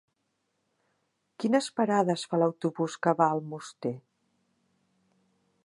Quines parades fa l'autobús que va a Almoster?